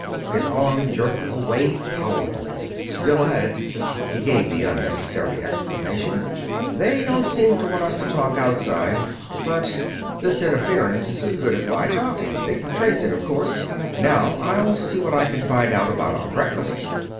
His arm jerked away powerfully. "Still at it," he gave the unnecessary explanation. "They don't seem to want us to talk outside, but his interference is as good as my talking they can trace it, of course. Now I'll see what I can find out about our breakfast."